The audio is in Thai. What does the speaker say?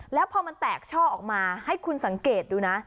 แล้วพอมันแตกช่อออกมาให้คุณสังเกตดูนะ